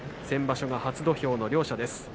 先場所が初土俵の両者です。